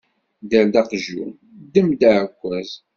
Dder-d aqjun, ddem-d aɛekkaz!